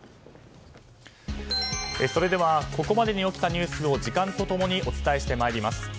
それではここまでに起きたニュースを時間と共にお伝えしてまいります。